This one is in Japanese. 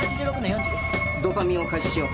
ドーパミンを開始しよう。